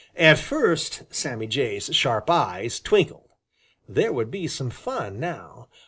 At first Sammy Jay's sharp eyes twinkled. There would be some fun now!